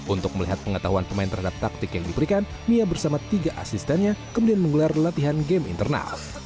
untuk melihat pengetahuan pemain terhadap taktik yang diberikan mia bersama tiga asistennya kemudian menggelar latihan game internal